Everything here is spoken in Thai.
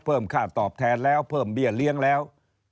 เพิ่มค่าตอบแทนแล้วเพิ่มเบี้ยเลี้ยงแล้ว